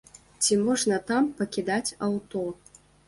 Ці можна там пакідаць аўто?